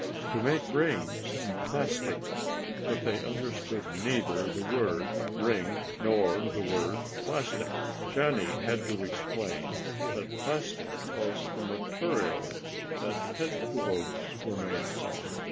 "To make rings and plastic." But they understood neither the word "ring" nor the word "plastic." Johnny had to explain that plastic was the material that headglobes were made from.